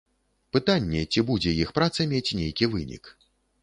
Пытанне, ці будзе іх праца мець нейкі вынік.